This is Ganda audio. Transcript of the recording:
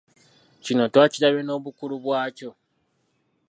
Kino twakirabye n'obukulu bwakyo